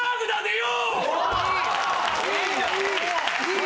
・いい！